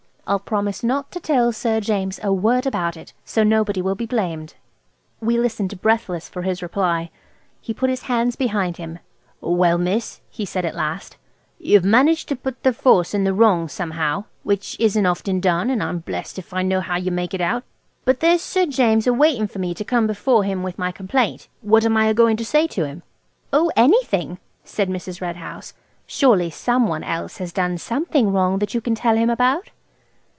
I'll promise not to tell Sir James a word about it. So nobody will. be blamed." We listened breathless for his reply. He put his hands behind him– "Well, miss," he said at last, "you've managed to put the Force in the wrong somehow, which isn't often done, and I'm blest if I know how you make it out. But there's Sir James a waiting for me to come before him with my complaint. What am I a goin' to say to him?" "Oh, anything," said Mrs. Red House; "surely some one else has done something wrong that you can tell him about?"